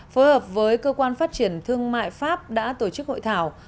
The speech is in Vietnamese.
phối hợp với cơ quan phát triển thương mại pháp đã tổ chức hội thảo